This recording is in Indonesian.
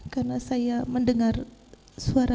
karena saya mendengar suara